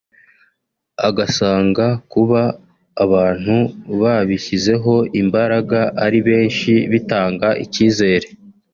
agasanga kuba abantu babishyizeho imbaraga ari benshi bitanga icyizere